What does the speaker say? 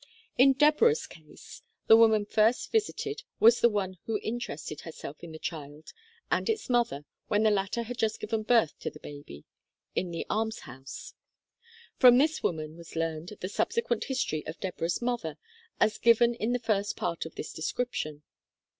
In Deborah's case, the woman first visited was the one who interested herself in the child and its mother when the latter had just given birth to her baby in the alms house. From this woman was learned the subsequent history of Deborah's mother as given in the first part of this description.